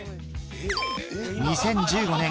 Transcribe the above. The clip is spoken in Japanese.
２０１５年